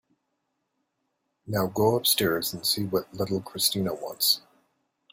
Now go upstairs and see what little Christina wants.